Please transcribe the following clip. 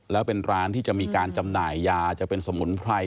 แล้วเป็นร้านที่จะมีการจำหน่ายยาจะเป็นสมุนไพร